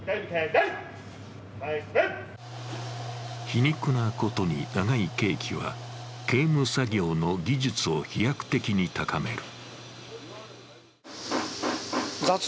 皮肉なことに長い刑期は刑務作業の技術を飛躍的に高める。